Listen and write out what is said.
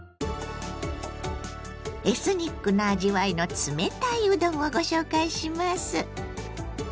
エスニックな味わいの冷たいうどんをご紹介します。